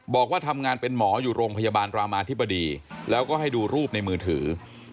บอกว่าทำงานเป็นหมออยู่โรงพยาบาลรามาธิบดีแล้วก็ให้ดูรูปในมือถือ